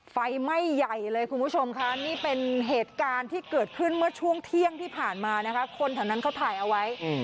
ไฟไหม้ใหญ่เลยคุณผู้ชมค่ะนี่เป็นเหตุการณ์ที่เกิดขึ้นเมื่อช่วงเที่ยงที่ผ่านมานะคะคนแถวนั้นเขาถ่ายเอาไว้